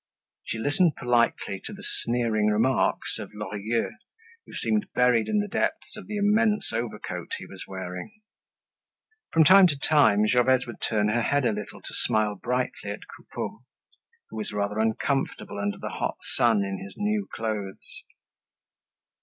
She listened politely to the sneering remarks of Lorilleux, who seemed buried in the depths of the immense overcoat he was wearing. From time to time, Gervaise would turn her head a little to smile brightly at Coupeau, who was rather uncomfortable under the hot sun in his new clothes.